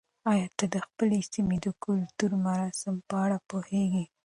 آیا ته د خپلې سیمې د کلتوري مراسمو په اړه پوهېږې؟